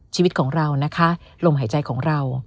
ชีวิตของเรานะคะลมหายใจของเรา